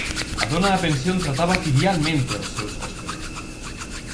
A dona da pensión trataba filialmente os seus hóspedes.